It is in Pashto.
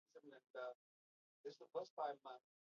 ناداري او فقر په افغانستان کې جګړې ته زمینه برابره کړې.